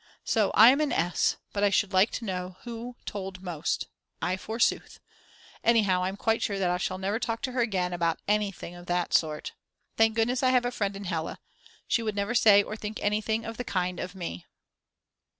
So I am an S. But I should like to know who told most. I forsooth? Anyhow I'm quite sure that I shall never talk to her again about anything of that sort. Thank goodness I have a friend in Hella. She would never say or think anything of the kind of me.